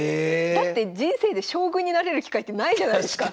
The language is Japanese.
だって人生で将軍になれる機会ってないじゃないですか。